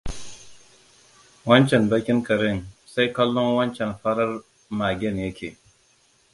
Wancan bakin karen sai kallon waccan farar magen ya ke.